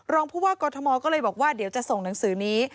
รองผู้ว่ากอทมก็เลยบอกว่าเดี๋ยวจะส่งหนังสือนี้